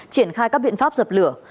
triển khai các biện pháp dập lửa